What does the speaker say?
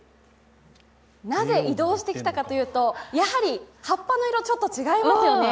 なぜ移動してきたかというと、やはり葉っぱの色、ちょっと違いますよね。